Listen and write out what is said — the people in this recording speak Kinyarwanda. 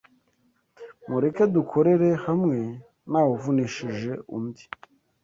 Mureke dukorere hamwe ntawuvunishije undi